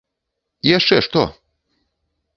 - Яшчэ што?